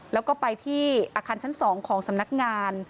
แล้วก็ไปที่อาคารชั้น๒ของสำนักงาน